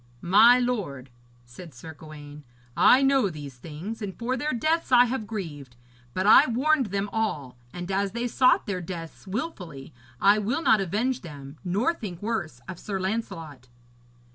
'My lord,' said Sir Gawaine, 'I know these things, and for their deaths I have grieved, but I warned them all, and as they sought their deaths wilfully I will not avenge them, nor think worse of Sir Lancelot.'